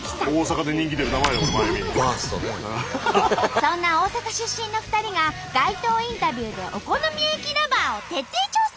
そんな大阪出身の２人が街頭インタビューでお好み焼きＬｏｖｅｒを徹底調査！